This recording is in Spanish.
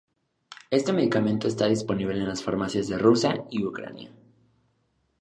Este medicamento está disponible en las farmacias de Rusia y Ucrania.